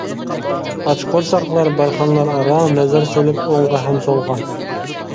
ئاچ قورساقلا بارخانلار ئارا، نەزەر سېلىپ ئوڭغا ھەم سولغا.